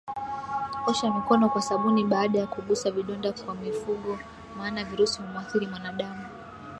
Osha mikono kwa sabuni baada ya kugusa vidonda kwa mifugo maana virusi humuathiri mwanandamu